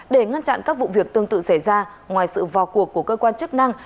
để ngăn chặn các vụ việc tương tự xảy ra ngoài sự vào cuộc của cơ quan chức năng